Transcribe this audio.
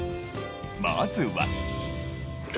まずは。